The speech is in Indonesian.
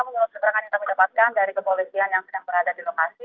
menurut keterangan yang kami dapatkan dari kepolisian yang sedang berada di lokasi